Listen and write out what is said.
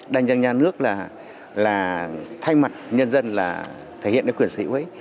đành rằng nhà nước là thay mặt nhân dân là thể hiện cái quyền sở hữu ấy